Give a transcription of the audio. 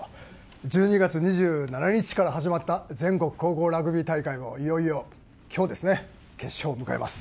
１２月２７日から始まった全国高校ラグビー大会も、いよいよ、きょうですね、決勝を迎えます。